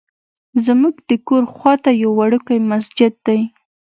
زمونږ د کور خواته یو وړوکی مسجد دی.